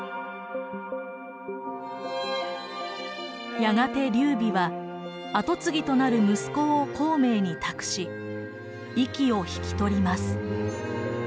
やがて劉備は後継ぎとなる息子を孔明に託し息を引き取ります。